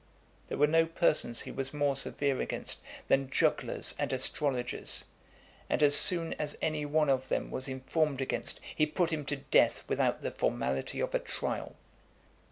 There were no persons he was more severe against than jugglers and astrologers; and as soon as any one of them was informed against, he put him to death without the formality of a trial.